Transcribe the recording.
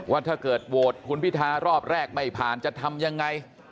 ว่าถ้าเกิดโหวตคุณพิทารอบแรกไม่ผ่านจะทำยังไง